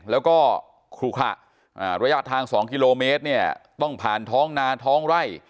แล้วก็ครูขะระยะทาง๒กิโลเมตรเนี่ยต้องผ่านท้องนาท้องไร่